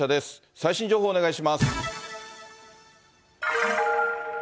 最新情報お願いします。